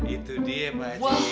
itu dia pak haji